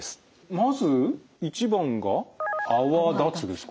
まず①番が「泡立つ」ですか。